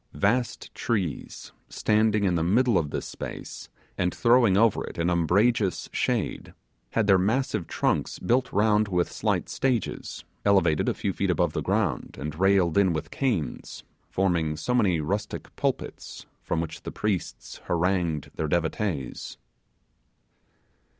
Vast trees, standing in the middle of this space, and throwing over it an umbrageous shade, had their massive trunks built round with slight stages, elevated a few feet above the ground, and railed in with canes, forming so many rustic pulpits, from which the priests harangued their devotees.